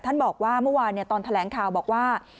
ท่านบอกว่าเมื่อวานเนี่ยตอนแถลงข่าวบอกว่า